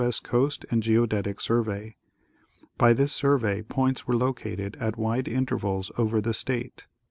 S. Coast and Geodetic Survey. By this survey points were located at wide intervals over the state.